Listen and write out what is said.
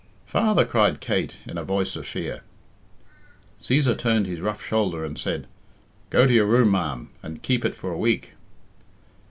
"Father!" cried Kate, in a voice of fear. Cæsar turned his rough shoulder and said, "Go to your room, ma'am, and keep it for a week."